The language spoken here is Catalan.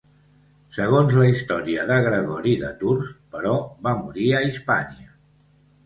Segons la història de Gregori de Tours, però, va morir a Hispània.